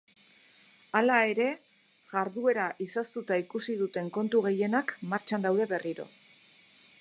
Hala ere, jarduera izoztuta ikusi duten kontu gehienak martxan daude berriro.